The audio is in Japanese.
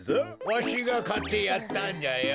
わしがかってやったんじゃよ。